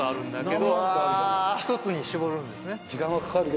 １つに絞るんですね。